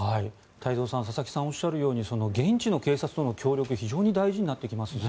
太蔵さん佐々木さんがおっしゃるように現地の警察との協力が非常に大事になってきますね。